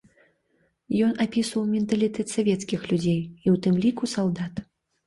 Ён апісваў менталітэт савецкіх людзей, і ў тым ліку салдат.